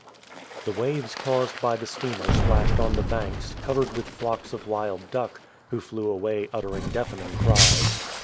The waves caused by the steamer splashed on the banks, covered with flocks of wild duck, who flew away uttering deafening cries.